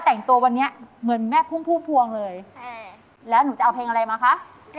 มั่นใจไม่เต็มร้อยค่ะ